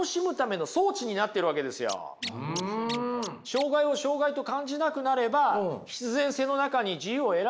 障害を障害と感じなくなれば必然性の中に自由を得られますよね。